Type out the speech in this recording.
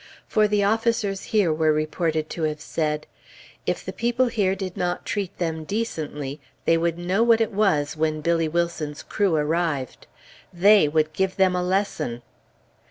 For the officers here were reported to have said, "If the people here did not treat them decently, they would know what it was when Billy Wilson's crew arrived. They would give them a lesson!"